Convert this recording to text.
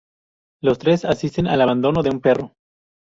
Los tres asisten al abandono de un perro.